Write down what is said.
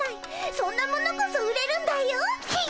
そんなものこそ売れるんだよっ。